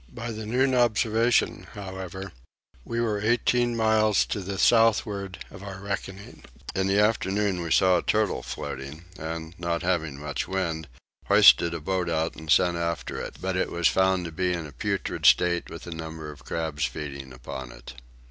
By the noon observation however we were eighteen miles to the southward of our reckoning. In the afternoon we saw a turtle floating and, not having much wind, hoisted a boat out and sent after it; but it was found to be in a putrid state with a number of crabs feeding upon it.